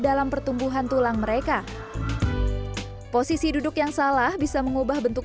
dalam pertumbuhan tulang mereka posisi duduk yang salah bisa mengubah bentuk